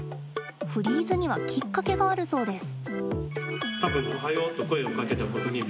フリーズにはきっかけがあるそうです。